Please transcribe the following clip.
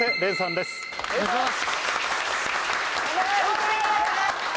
お願いします。